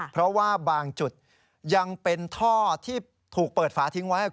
เพราะว่าบางจุดยังเป็นท่อที่ถูกเปิดฝาทิ้งไว้